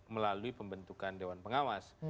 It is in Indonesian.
melalui pembentukan dewan pengawas